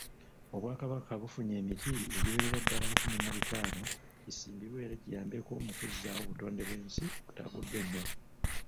Obwakabaka bufunye emiti egiwerera ddala lukumi mu bitaano gisimbibwe era giyambeko mukuzzaawo obutondebwensi okutaguddwa ennyo.